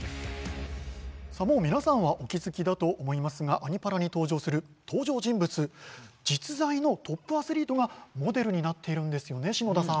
もう皆さんはお気付きだと思いますが「アニ×パラ」に登場する登場人物、実在のトップアスリートがモデルになっているんですよね、篠田さん。